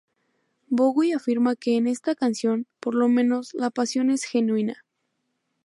Bowie afirma que en esta canción, por lo menos, la pasión es genuina.